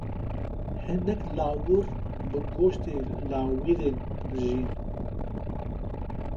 Hinek lawir bi goştê lawirên dijîn.